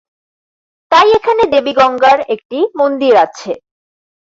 তাই এখানে দেবী গঙ্গার একটি মন্দির আছে।